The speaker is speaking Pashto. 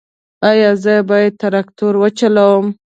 ایا زه باید تراکتور وچلوم؟